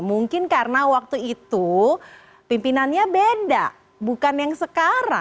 mungkin karena waktu itu pimpinannya beda bukan yang sekarang